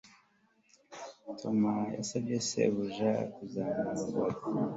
Tom yasabye shebuja kuzamurwa